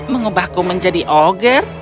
mengubahku menjadi ogger